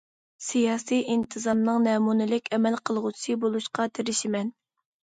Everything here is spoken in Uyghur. سىياسىي ئىنتىزامنىڭ نەمۇنىلىك ئەمەل قىلغۇچىسى بولۇشقا تىرىشىمەن.